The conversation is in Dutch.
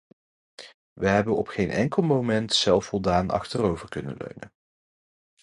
We hebben op geen enkel moment zelfvoldaan achterover kunnen leunen.